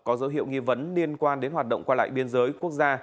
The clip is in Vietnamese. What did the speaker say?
có dấu hiệu nghi vấn liên quan đến hoạt động qua lại biên giới quốc gia